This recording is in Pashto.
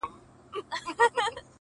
زړه لکه هينداره ښيښې گلي~